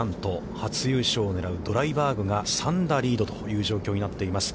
初優勝を狙うドライバーグが、３打リードという状況になっています。